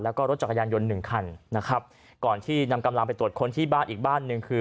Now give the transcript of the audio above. แล้วก็รถจักรยานยนต์หนึ่งคันนะครับก่อนที่นำกำลังไปตรวจค้นที่บ้านอีกบ้านหนึ่งคือ